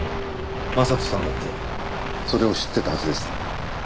将人さんだってそれを知ってたはずです。